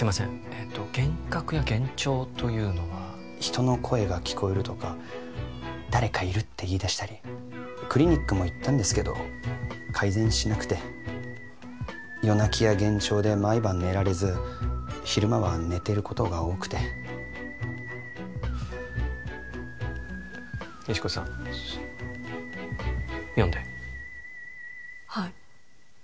えと幻覚や幻聴というのは人の声が聞こえるとか誰かいるって言いだしたりクリニックも行ったんですけど改善しなくて夜泣きや幻聴で毎晩寝られず昼間は寝てることが多くて石子さん読んではい「５０６